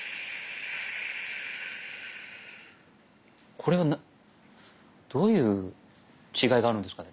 これはどういう違いがあるんですかね？